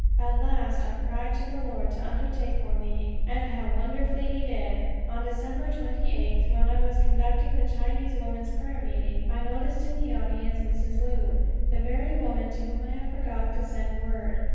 At last I cried to the Lord to undertake for me. And how wonderfully he did! On December twenty eighth, when I was conducting the Chinese women's prayer meeting, I noticed in the audience Mrs. Lu, the very woman to whom I had forgotten to send word.